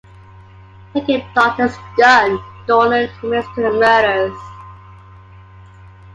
Taking the Doctor's gun, Doland admits to the murders.